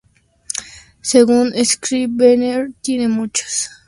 Según Scrivener tiene muchas lecturas inusuales.